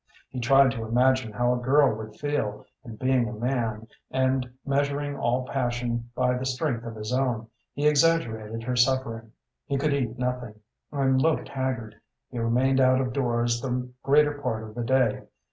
He tried to imagine how a girl would feel, and being a man, and measuring all passion by the strength of his own, he exaggerated her suffering. He could eat nothing, and looked haggard. He remained out of doors the greater part of the day.